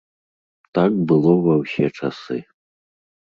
Так было ва ўсе часы.